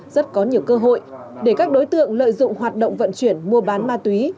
rất có nhiều cơ hội để các đối tượng lợi dụng hoạt động vận chuyển mua bán ma túy